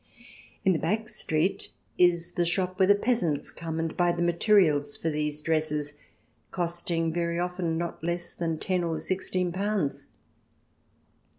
In a back street is the shop where the peasants come and buy the materials for these dresses, costing very often not less than ten or sixteen pounds.